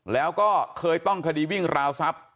แล้วก็เคยต้องคดีวิ่งราวทรัพย์